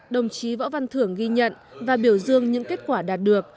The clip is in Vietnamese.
đồng chí võ văn thưởng ghi nhận và biểu dương những kết quả đạt được